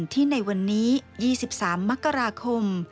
ในวันนี้๒๓มกราคม